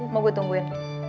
mau gue tungguin